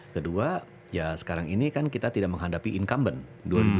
kedua ya sekarang ini kan kita tidak bisa melihatnya dengan cara yang terbaik